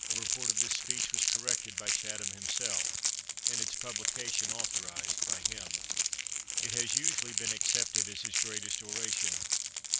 A report of this speech was corrected by Chatham himself, and its publication au thorized by him. It has usually been accepted as his greatest oration.